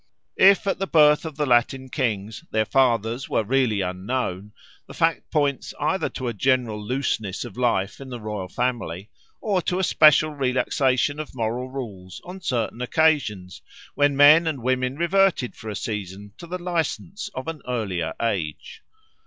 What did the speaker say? If at the birth of the Latin kings their fathers were really unknown, the fact points either to a general looseness of life in the royal family or to a special relaxation of moral rules on certain occasions, when men and women reverted for a season to the licence of an earlier age.